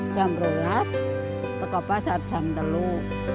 jam berulang atau jam terlalu